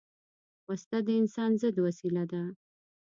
وسله د انسان ضد وسیله ده